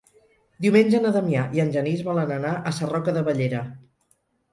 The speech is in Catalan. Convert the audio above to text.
Diumenge na Damià i en Genís volen anar a Sarroca de Bellera.